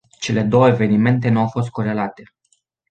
Cele două evenimente nu au fost corelate.